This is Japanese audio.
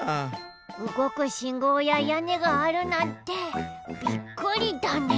うごくしんごうややねがあるなんてびっくりだね。